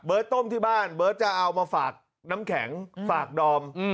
เบิร์ดต้มที่บ้านเบิร์ดจะเอามาฝากน้ำแข็งฝากดอมอืม